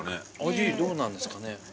味どうなんですかね。